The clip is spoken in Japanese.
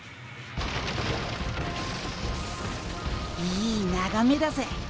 いいながめだぜ。